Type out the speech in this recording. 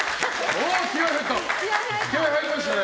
おー、気合入りましたね！